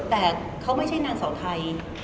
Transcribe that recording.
แต่เขาไม่ใช่นางเสาไทย